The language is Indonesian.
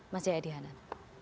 mas jaya dianan